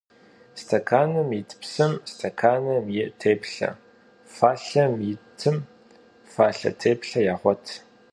Stekanım yit psım stekanım yi têplhe, falhem yitım falhe têplhe yağuet.